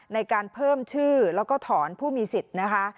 ในการเพิ่มชื่อแล้วก็ถอนผู้มีสิทธิ์นะคะ